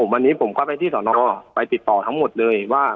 วันนี้ผมก็ไปที่สอนอไปติดต่อทั้งหมดเลยว่า